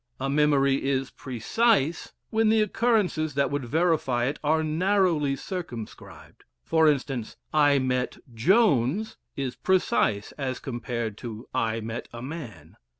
A memory is "precise" when the occurrences that would verify it are narrowly circumscribed: for instance, "I met Jones" is precise as compared to "I met a man."